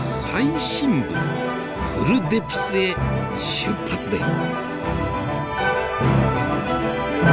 フルデプスへ出発です。